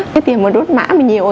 cái tiền mà đốt mã mà nhiều